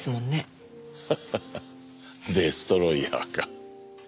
ハハハッデストロイヤーか。